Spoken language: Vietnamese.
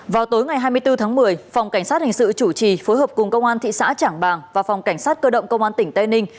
vào tối ngày hai mươi bốn tháng một mươi phòng cảnh sát hình sự chủ trì phối hợp cùng công an thị xã trảng bàng và phòng cảnh sát cơ động công an tỉnh tây ninh